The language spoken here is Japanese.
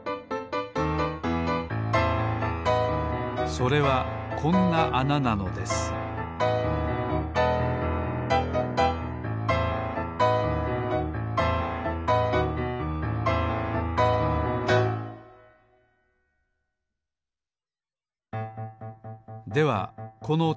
それはこんなあななのですではこのてつぼうのよう